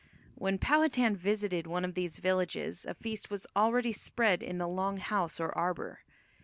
When Powhatan visited one of these villages a feast was already spread in the long house or arbour.